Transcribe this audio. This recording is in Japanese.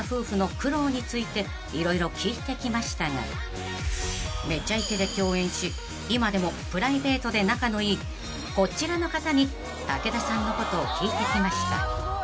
［色々聞いてきましたが『めちゃイケ』で共演し今でもプライベートで仲のいいこちらの方に武田さんのことを聞いてきました］